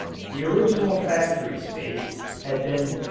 The original factory space had been